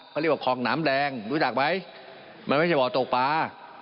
เขาเรียกว่าคลองน้ำแดงรู้จักไหมมันไม่ใช่บ่อตกปลา